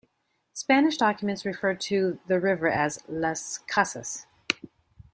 Spanish documents referred to the river as Las Casas.